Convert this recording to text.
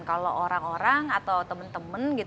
kalau orang orang atau temen temen